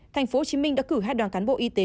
thành phố hồ chí minh đã cử hai đoàn cán bộ y tế